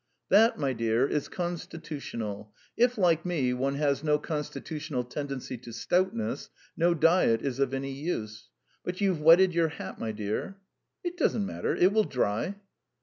"That, my dear, is constitutional. If, like me, one has no constitutional tendency to stoutness, no diet is of any use. ... But you've wetted your hat, my dear." "It doesn't matter; it will dry."